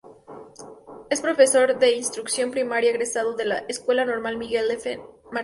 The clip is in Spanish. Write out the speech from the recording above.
Es profesor de Instrucción Primaria, egresado de la Escuela Normal Miguel F. Martínez.